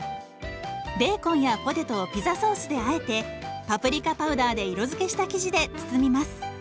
ベーコンやポテトをピザソースであえてパプリカパウダーで色づけした生地で包みます。